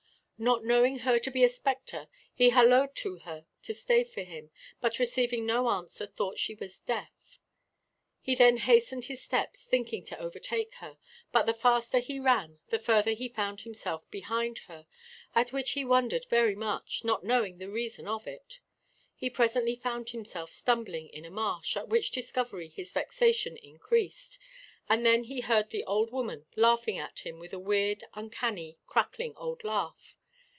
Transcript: Not knowing her to be a spectre he hallooed to her to stay for him, but receiving no answer thought she was deaf. He then hastened his steps, thinking to overtake her, but the faster he ran the further he found himself behind her, at which he wondered very much, not knowing the reason of it. He presently found himself stumbling in a marsh, at which discovery his vexation increased; and then he heard the Old Woman laughing at him with a weird, uncanny, crackling old laugh.